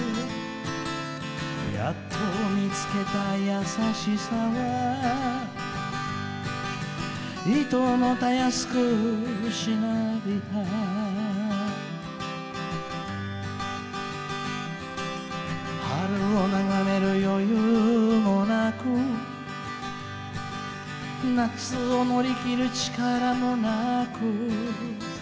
「やっとみつけたやさしさはいともたやすくしなびた」「春をながめる余裕もなく」夏をのりきる力もなく」